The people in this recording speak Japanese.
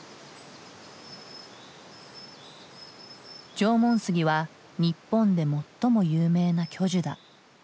縄文杉は日本で最も有名な巨樹だ。